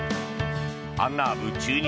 アンナーブ駐日